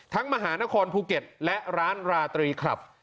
มหานครภูเก็ตและร้านราตรีคลับ